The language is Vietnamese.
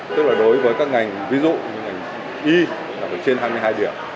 tức là đối với các ngành ví dụ như ngành y là được trên hai mươi hai điểm